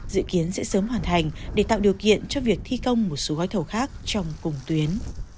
dự kiến sẽ sớm hoàn thành để tạo điều kiện cho việc thi công một số gói thầu khác trong cùng tuyến